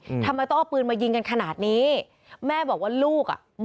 ทำไมต้องเอาปืนมายิงกันขนาดนี้แม่บอกว่าลูกอ่ะ